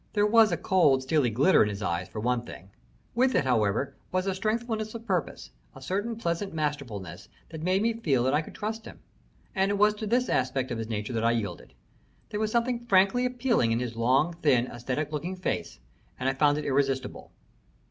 There was a cold, steely glitter in his eye, for one thing. With it, however, was a strengthfulness of purpose, a certain pleasant masterfulness, that made me feel that I could trust him, and it was to this aspect of his nature that I yielded. There was something frankly appealing in his long, thin, ascetic looking face, and I found it irresistible.